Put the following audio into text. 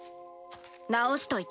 直しといて。